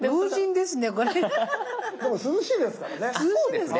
でも涼しいですからね。